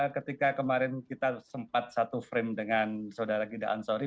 ketika kemarin kita sempat satu frame dengan saudara ginda ansori